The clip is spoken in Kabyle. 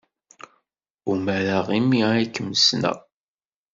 Umareɣ imi ay kem-ssneɣ.